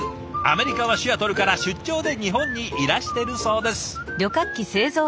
アメリカはシアトルから出張で日本にいらしてるそうです。